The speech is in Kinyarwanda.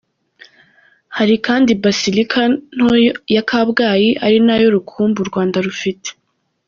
Hari kandi Basilika nto ya Kabgayi, ari nayo rukumbi u Rwanda rufite.